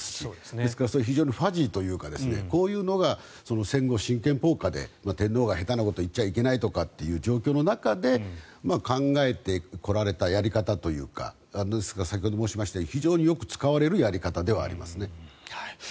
ですから非常にファジーというかこういうのが戦後、新憲法下で天皇が下手なことを言っちゃいけないという状況の中で考えてこられたやり方というか先ほど申しましたように非常によく使われるやり方ではありますね。